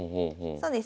そうですね。